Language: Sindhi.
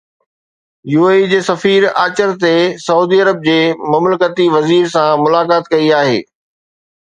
يو اي اي جي سفير آچر تي سعودي عرب جي مملڪتي وزير سان ملاقات ڪئي آهي